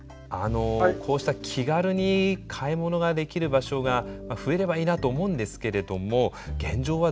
こうした気軽に買い物ができる場所が増えればいいなと思うんですけれども現状はどうなんでしょうか？